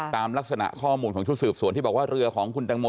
ตามลักษณะข้อมูลของชุดสืบสวนที่บอกว่าเรือของคุณแตงโม